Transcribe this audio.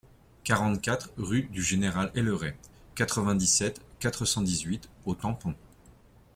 quarante-quatre rue du Géneral Ailleret, quatre-vingt-dix-sept, quatre cent dix-huit au Tampon